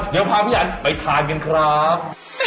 เดี๋ยวพาพี่อันไปทานกันครับ